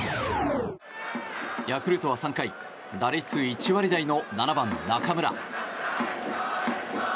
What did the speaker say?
ヤクルトは３回打率１割台の７番、中村。